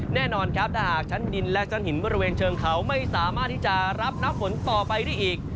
แน่นอนครับถ้าหากชั้นดินและชั้นหินบริเวณเชิงเขาไม่สามารถที่จะรับน้ำฝนต่อไปได้อีก